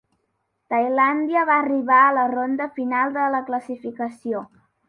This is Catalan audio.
Tailàndia va arribar a la ronda final de la classificació.